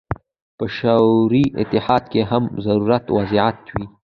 په شوروي اتحاد کې هم ورته وضعیت و.